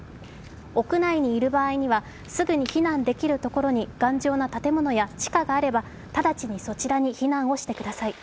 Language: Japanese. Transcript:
屋内にいる場合にはすぐに避難できるところに頑丈な建物や地下があれば直ちにそちらに避難をしてください。